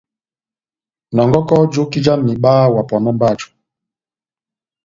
Nɔngɔkɔ joki jáh mihiba wa pɔnɔ mba jɔ.